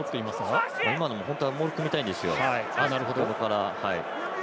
本当はモール組みたいんですよ。